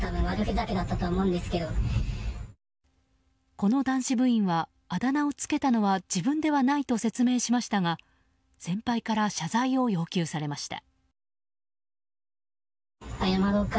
この男子部員はあだ名をつけたのは自分ではないと説明しましたが先輩から謝罪を要求されました。